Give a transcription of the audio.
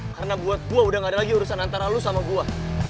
karena buat gua udah gak ada lagi urusan antara lo sama gua